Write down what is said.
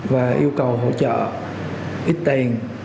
và yêu cầu hỗ trợ ít tiền